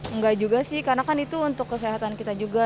enggak juga sih karena kan itu untuk kesehatan kita juga